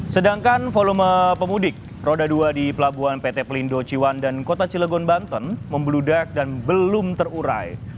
sedangkan volume pemudik roda dua di pelabuhan pt pelindo ciwan dan kota cilegon banten membeludak dan belum terurai